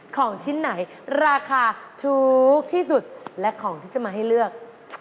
ของชิ้นไหนราคาถูกที่สุดและของที่จะมาให้เลือก